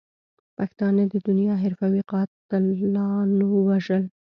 پښتانه د دنیا حرفوي قاتلاتو وژل.